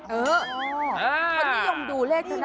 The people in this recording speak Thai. อ๋อวันนี้ยังดูเลขธนบัตรนะ